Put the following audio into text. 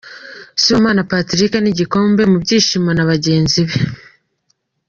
Sibomana Patrick n’igikombe mu byishimo na bagenzi be.